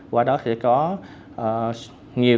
qua đó sẽ có nhiều